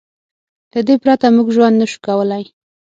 له دې پرته موږ ژوند نه شو کولی.